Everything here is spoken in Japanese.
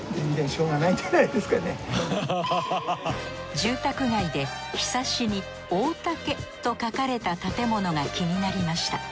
住宅街でひさしに大竹と書かれた建物が気になりました。